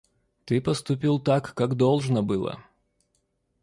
Ты поступил так, как должно было.